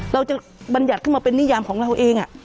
บรรยัติขึ้นมาเป็นนิยามของเราเอง